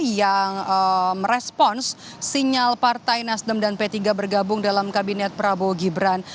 yang merespons sinyal partai nasdem dan p tiga bergabung dalam kabinet prabowo gibran